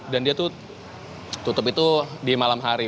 dan dia tuh tutup itu di malam hari